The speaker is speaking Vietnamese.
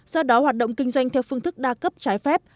do đó hoạt động kinh doanh theo phương thức đa cấp trái phép